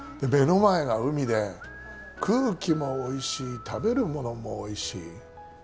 目の前が海で空気もおいしい食べるものもおいしい。